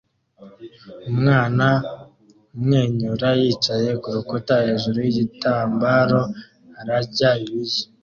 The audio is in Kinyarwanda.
Umwana umwenyura yicaye kurukuta hejuru yigitambaro ararya ibiryo